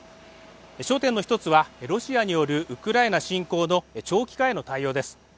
焦点の１つは、ロシアによるウクライナ侵攻の長期化への対応です。